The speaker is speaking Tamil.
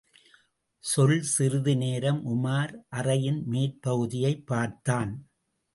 சொல்! சிறிது நேரம் உமார் அறையின் மேற்பகுதியைப் பார்த்தான்.